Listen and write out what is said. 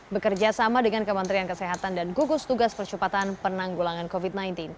bekerja sama dengan kementerian kesehatan dan gugus tugas percepatan penanggulangan covid sembilan belas